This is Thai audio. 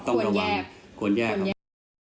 ควรแยก